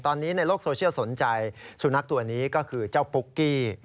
ตอนนี้ในโลกโซเชียลสนใจสุนัขตัวนี้ก็คือเจ้าปุ๊กกี้